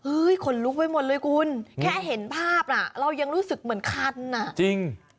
ขนลุกไปหมดเลยคุณแค่เห็นภาพน่ะเรายังรู้สึกเหมือนคันอ่ะจริง